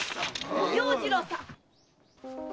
要次郎さん！